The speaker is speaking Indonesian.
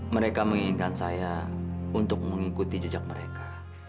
mereka menginginkan saya untuk mengikuti jejak mereka